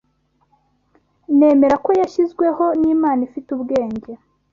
Nemera ko yashyizweho n’Imana ifite ubwenge